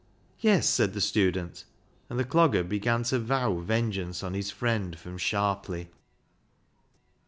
" Yes," said the student ; and the Clogger began to vow vengeance on his friend from Sharpley.